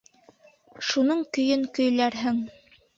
Шуның көйөн көйләрһең.